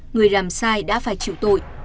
người ràm sai đã phải chịu tội